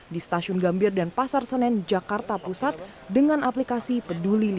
di stasiun gambir dan pasar senen jakarta pusat dengan aplikasi peduli lindungi